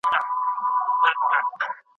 انا په ډېرې غوسې سره پر ماشوم چیغه کړه.